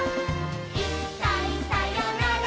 「いっかいさよなら